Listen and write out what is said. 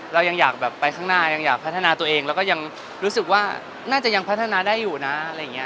เรายังอยากแบบไปข้างหน้ายังอยากพัฒนาตัวเองแล้วก็ยังรู้สึกว่าน่าจะยังพัฒนาได้อยู่นะอะไรอย่างนี้